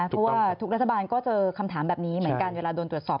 เพราะว่าทุกรัฐบาลก็เจอคำถามแบบนี้เหมือนกันเวลาโดนตรวจสอบ